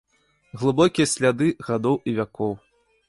Глыбокія сляды гадоў і вякоў.